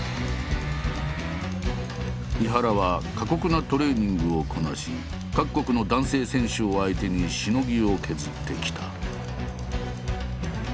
井原は過酷なトレーニングをこなし各国の男性選手を相手にしのぎを削ってきた。